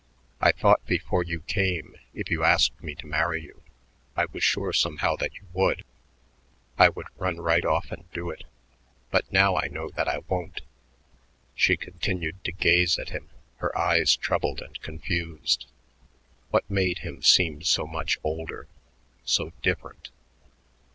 I thought before you came if you asked me to marry you I was sure somehow that you would I would run right off and do it, but now I know that I won't." She continued to gaze at him, her eyes troubled and confused. What made him seem so much older, so different?